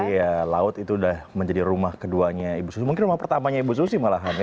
iya laut itu sudah menjadi rumah keduanya ibu susi mungkin rumah pertamanya ibu susi malahan ya